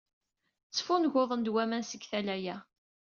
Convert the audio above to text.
Ttfunguḍen-d waman seg tala-a.